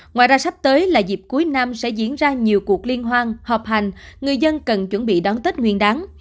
ngoài ra sắp tới là dịp cuối năm sẽ diễn ra nhiều cuộc liên hoan họp hành người dân cần chuẩn bị đón tết nguyên đáng